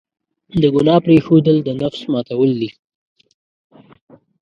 د ګناه پرېښودل، د نفس ماتول دي.